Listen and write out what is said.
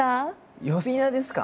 呼び名ですか？